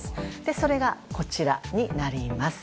それが、こちらになります。